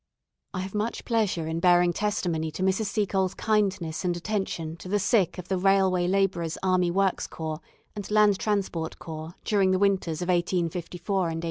"I have much pleasure in bearing testimony to Mrs. Seacole's kindness and attention to the sick of the Railway Labourers' Army Works Corps and Land Transport Corps during the winters of 1854 and 1855.